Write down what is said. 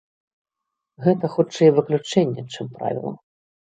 Гэта хутчэй выключэнне, чым правіла.